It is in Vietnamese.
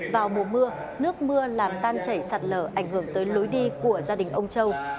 vào mùa mưa nước mưa làm tan chảy sạt lở ảnh hưởng tới lối đi của gia đình ông châu